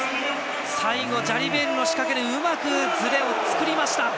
最後、ジャリベールの仕掛けでうまくずれを作りました。